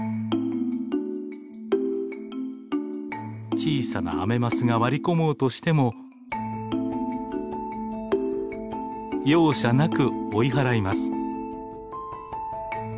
小さなアメマスが割り込もうとしても容赦なく追い払います。